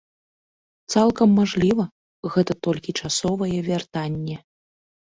Цалкам мажліва, гэта толькі часовае вяртанне.